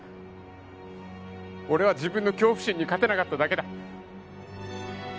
俺は自分の恐怖心に勝てなかっただけだ。